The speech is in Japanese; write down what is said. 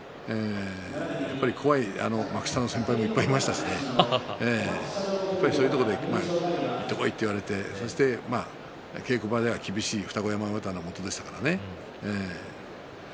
やっぱり怖い幕下の先輩もいっぱいいましたしそういうところで行ってこいと言われて稽古場では厳しい二子山親方のもとでしたからね。